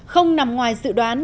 không nằm ngoài dự đoán